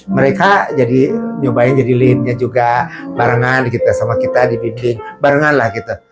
mereka jadi nyobain jadi linknya juga barengan gitu sama kita dibimbing barengan lah gitu